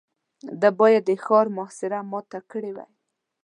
ده بايد د ښار محاصره ماته کړې وای.